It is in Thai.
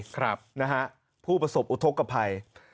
ครับนะฮะผู้ประสบอุทธกภัย